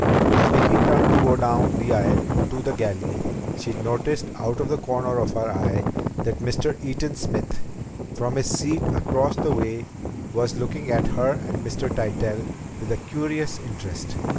As Vicki turned to go down the aisle to the galley, she noticed out of the corner of her eye that Mr. Eaton Smith, from his seat across the way, was looking at her and Mr. Tytell with a curious interest.